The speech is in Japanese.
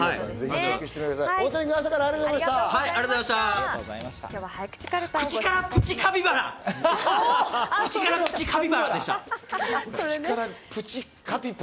大谷君、朝からありがとうございました。